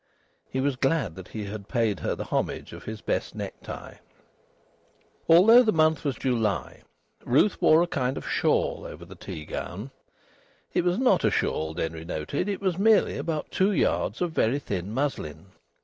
He was glad that he had paid her the homage of his best necktie. Although the month was July, Ruth wore a kind of shawl over the tea gown. It was not a shawl, Denry noted; it was merely about two yards of very thin muslin.